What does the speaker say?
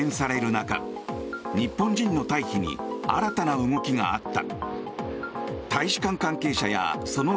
中日本人の退避に新たな動きがあった。